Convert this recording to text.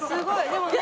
でもね。